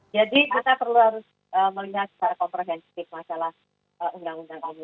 jadi kita perlu melihat secara komprehensif masalah undang undang amu